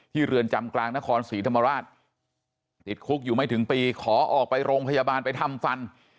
เรือนจำกลางนครศรีธรรมราชติดคุกอยู่ไม่ถึงปีขอออกไปโรงพยาบาลไปทำฟัน